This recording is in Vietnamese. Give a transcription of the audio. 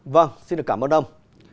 vâng xin được cảm ơn ông